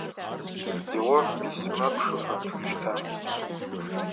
Сыдигъо письмэ пшы фэптхыщта?